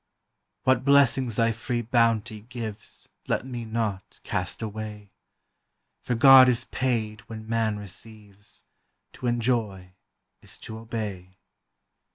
What blessings thy free bounty gives Let me not cast away; For God is paid when man receives, To enjoy is to obey.